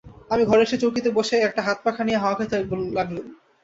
আমি ঘরে এসে চৌকিতে বসে একটা হাতপাখা নিয়ে হাওয়া খেতে লাগলুম।